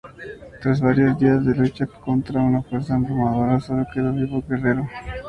Tras varios días de lucha contra una fuerza abrumadora, solo quedó vivo un guerrero.